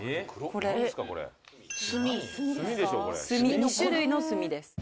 これ炭炭２種類の炭です